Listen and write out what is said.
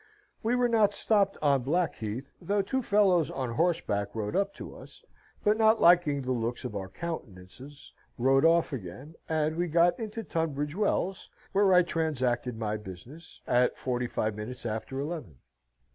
We were not stopped on Blackheath, though two fellows on horseback rode up to us, but not liking the looks of our countenantses, rode off again; and we got into Tunbridge Wells (where I transacted my business) at forty five minutes after eleven.